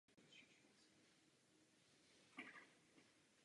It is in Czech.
Existovaly plány na zachování tramvaje jako historického vozidla.